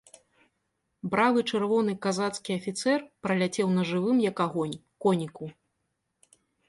Бравы чырвоны казацкі афіцэр праляцеў на жывым, як агонь, коніку.